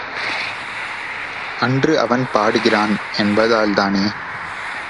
அன்று அவன் பாடுகிறான் என்பதால்தானே.